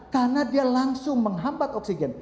karena dia langsung menghampat oksigen